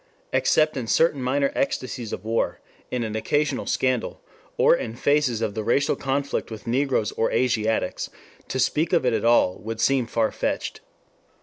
Except in certain minor ecstasies of war, in an occasional scandal, or in phases of the racial conflict with Negroes or Asiatics, to speak of it at all would seem far fetched.